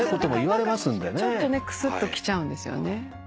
ちょっとねクスッときちゃうんですよね。